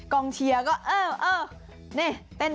กองเชียร์ก็เออเนี่ยเต้นเชียร์ไป